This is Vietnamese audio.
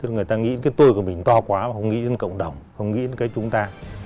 người ta nghĩ cái tư của mình to quá mà không nghĩ đến cộng đồng không nghĩ đến cái chúng ta